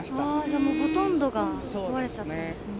じゃあもうほとんどが壊れちゃったんですね。